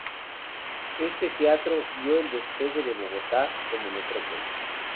Este teatro vio el despegue de Bogotá como metrópoli.